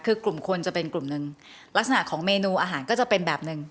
คือกลุ่มคนจะเป็นกลุ่มหนึ่งลักษณะของเมนูอาหารก็จะเป็นแบบหนึ่ง